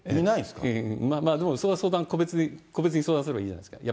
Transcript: まあでも、それは相談、個別に相談すればいいじゃないですか。